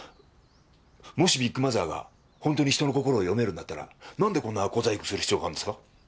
もしビッグマザーが本当に人の心を読めるんだったらなんでこんな小細工する必要があるんですか？